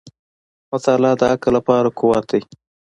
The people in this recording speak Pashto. • مطالعه د عقل لپاره قوت دی.